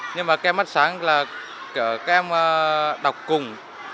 nhưng mà các em mất sáng là các em đọc cùng